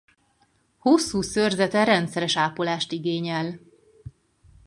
Hosszú szőrzete rendszeres ápolást igényel.